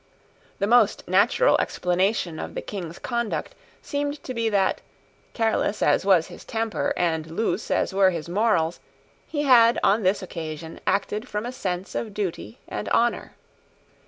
The most natural explanation of the King's conduct seemed to be that, careless as was his temper and loose as were his morals, he had, on this occasion, acted from a sense of duty and honour.